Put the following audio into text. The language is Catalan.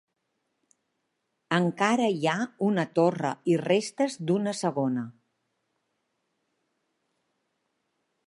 Encara hi ha una torre i restes d'una segona.